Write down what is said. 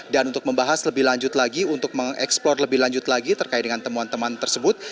dan untuk membahas lebih lanjut lagi untuk mengeksplor lebih lanjut lagi terkait dengan temuan teman tersebut